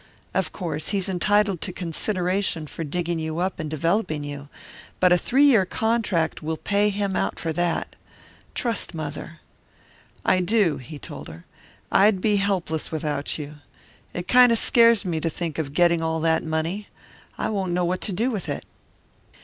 Of course he's entitled to consideration for digging you up and developing you, but a three year contract will pay him out for that. Trust mother." "I do," he told her. "I'd be helpless without you. It kind of scares me to think of getting all that money. I won't know what to do with it."